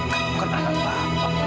kamu kan anak bapak